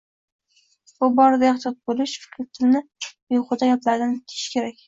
Bu borada ehtiyot bo‘lish, tilni behuda gaplardan tiyish kerak.